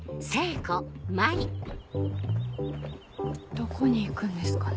どこに行くんですかね。